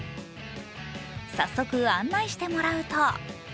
早速案内してもらうと。